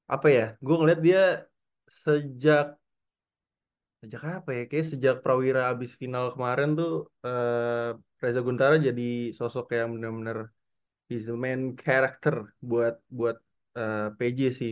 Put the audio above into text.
apa ya gue ngeliat dia sejak sejak apa ya kayaknya sejak prawira abis final kemarin tuh reza guntara jadi sosok yang bener bener he s the main character buat pj sih